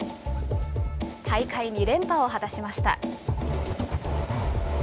大会２連覇を果たしました。